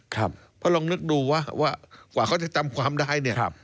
เพราะลองนึกดูว่ากว่าเขาจะจำความได้เนี่ย